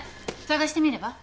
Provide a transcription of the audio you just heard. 探してみれば？